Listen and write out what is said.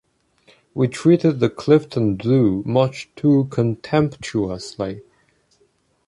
We treated the Clifton Zoo much too contemptuously.